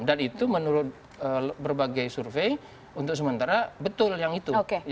dan itu menurut berbagai survei untuk sementara betul yang itu